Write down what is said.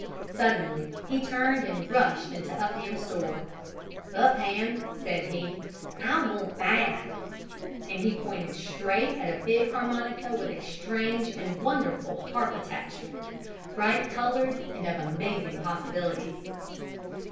Suddenly he turned and rushed into Upham's store. "Upham," said he, "I want that!" And he pointed straight at a big harmonica with a strange and wonderful "harp attachment" bright colored and of amazing possibilities.